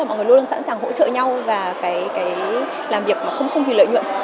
mọi người luôn sẵn sàng hỗ trợ nhau và làm việc không hì lợi nhuận